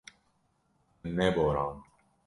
Min neborand.